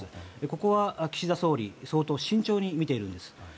ここは岸田総理は相当慎重に見ているんです。